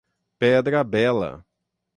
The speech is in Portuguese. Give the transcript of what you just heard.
Pedra Bela